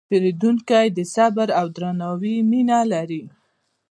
پیرودونکی د صبر او درناوي مینه لري.